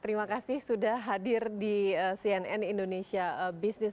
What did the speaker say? terima kasih sudah hadir di cnn indonesia business